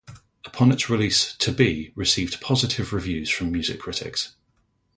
Upon its release, "To Be" received positive reviews from music critics.